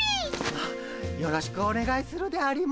あよろしくお願いするであります。